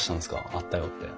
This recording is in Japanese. あったよって。